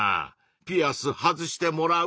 ピアス外してもらう？